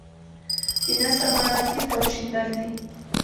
د نثر معنی تیت او شیندل دي.